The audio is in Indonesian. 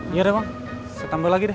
iya deh bang saya tambal lagi deh